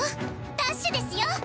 ダッシュですよ！